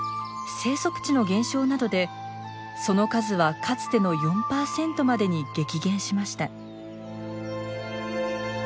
生息地の減少などでその数はかつての４％までに激減しました。